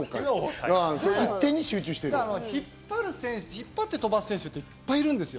引っ張って飛ばす選手っていっぱいいるんですよ。